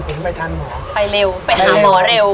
ไปเร็วไปหาหมอเร็ว